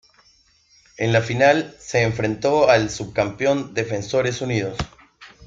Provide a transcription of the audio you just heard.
En la Final se enfrentó al subcampeón Defensores Unidos.